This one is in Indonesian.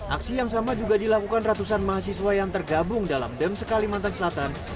aksi yang sama juga dilakukan ratusan mahasiswa yang tergabung dalam dems kalimantan selatan